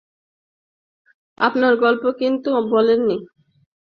আপনার গল্প কিন্তু বলেননি।